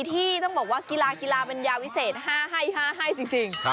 ที่ต้องบอกว่ากีฬากีฬาเป็นยาวิเศษ๕ให้๕ให้จริง